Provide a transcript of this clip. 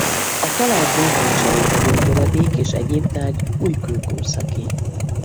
A talált néhány cserépedény töredék és egyéb tárgy újkőkorszaki.